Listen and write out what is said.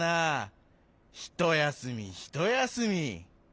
ひとやすみひとやすみ。